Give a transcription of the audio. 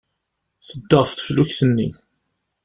Tedda ɣef teflukt-nni.